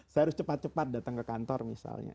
saya harus cepat cepat datang ke kantor misalnya